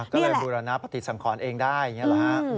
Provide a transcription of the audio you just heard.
ก็เลยบูรณปฏิสังควรเองได้อย่างนี้แหละครับ